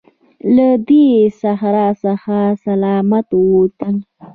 له دې صحرا څخه سلامت ووتلو.